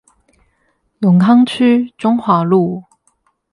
永康區中華路